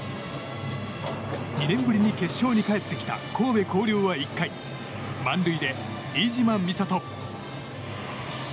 ２年ぶりに決勝に帰ってきた神戸弘陵は１回満塁で飯嶋弥沙音。